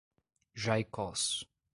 Jaicós